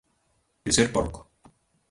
De ser porco.